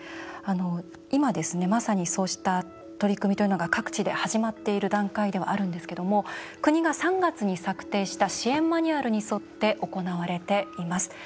今まさに、そうした取り組みというのが各地で始まっている段階ではあるんですけど国が３月に策定した支援マニュアルに沿って行われています。